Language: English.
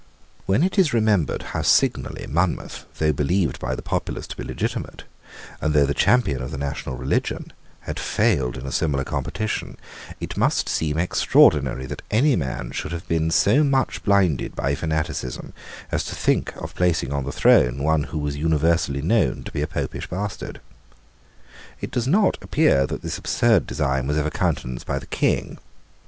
When it is remembered how signally Monmouth, though believed by the populace to be legitimate, and though the champion of the national religion, had failed in a similar competition, it must seem extraordinary that any man should have been so much blinded by fanaticism as to think of placing on the throne one who was universally known to be a Popish bastard. It does not appear that this absurd design was ever countenanced by the King.